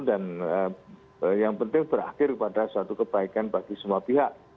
dan yang penting berakhir kepada suatu kebaikan bagi semua pihak